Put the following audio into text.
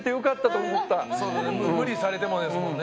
無理されてもですもんね